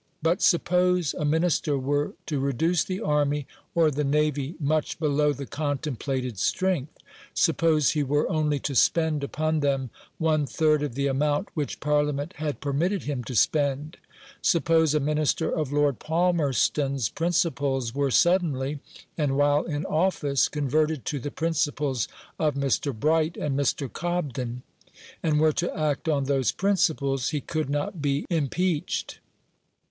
But suppose a Minister were to reduce the army or the navy much below the contemplated strength suppose he were only to spend upon them one third of the amount which Parliament had permitted him to spend suppose a Minister of Lord Palmerston's principles were suddenly and while in office converted to the principles of Mr. Bright and Mr. Cobden, and were to act on those principles, he could not be impeached.